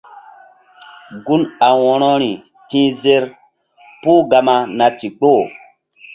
Gun a wo̧rori ti̧h zer pul gama na ndikpoh.